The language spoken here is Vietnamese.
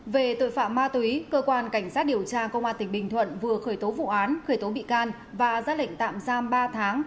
về tội phạm ma túy cơ quan cảnh sát điều tra công an tỉnh bình thuận vừa khởi tố vụ án khởi tố bị can và ra lệnh tạm giam ba tháng